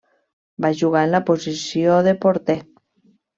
Va jugar en la posició de porter.